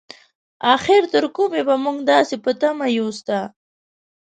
اخر تر کومې به مونږ داسې په تمه يو ستا؟